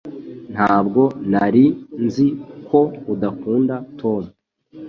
Ntabwo nari nzi ko udakunda Tom